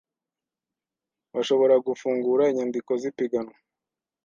bashobora gufungura inyandiko z ipiganwa